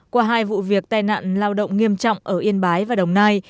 qua hai vụ việc tai nạn lao động nghiêm trọng ở yên bái và đồng nai